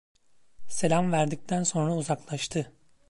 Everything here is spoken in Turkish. Selam verdikten sonra uzaklaştı.